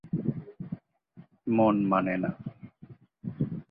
মন মানে না